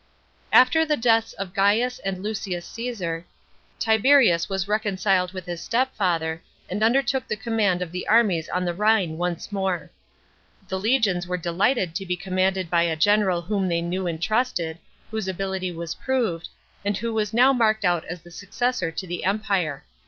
After the deaths of Gaius and Lucius Caesar, Tiberius was reconciled with his stepfather, and undertook the command of the armies on the Rhine once more. The legions were de'ighted to be commanded by a general whom they knew and trusted, whose ability was proved, and who was now marked out as the successor to the Empire.